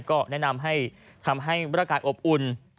ก็แนะนำให้ด้านราคาอบอุ่น